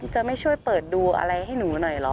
จะไม่ช่วยเปิดดูอะไรให้หนูหน่อยเหรอ